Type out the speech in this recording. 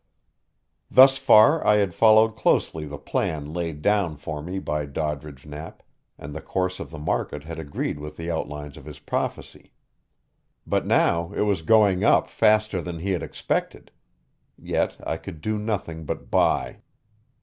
Thus far I had followed closely the plan laid down for me by Doddridge Knapp, and the course of the market had agreed with the outlines of his prophecy. But now it was going up faster than he had expected. Yet I could do nothing but buy.